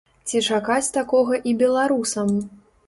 Ці чакаць такога і беларусам?